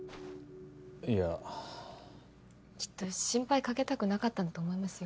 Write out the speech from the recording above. いや。きっと心配かけたくなかったんだと思いますよ。